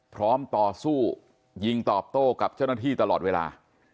ต่อสู้ยิงตอบโต้กับเจ้าหน้าที่ตลอดเวลา